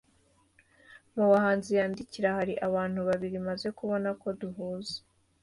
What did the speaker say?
Mu bahanzi yandikira “Hari abantu babiri maze kubona ko duhuza cyane